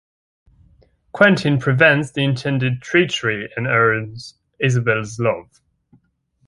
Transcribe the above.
Quentin prevents the intended treachery and earns Isabelle's love.